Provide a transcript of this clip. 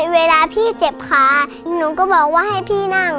เวลาขี้เจ็บค่ะหนูก็บอกแค่ให้ขี้นั่ง